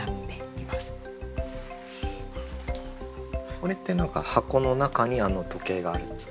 これって何か箱の中にあの時計があるんですか？